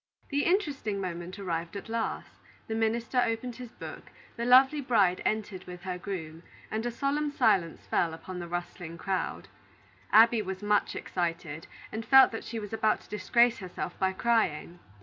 The interesting moment arrived at last, the minister opened his book, the lovely bride entered with her groom, and a solemn silence fell upon the rustling crowd. Abby was much excited, and felt that she was about to disgrace herself by crying.